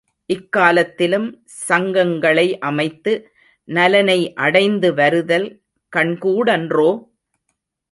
இக்காலத்திலும் சங்கங்களை அமைத்து நலனை அடைந்து வருதல் கண்கூடன்றோ?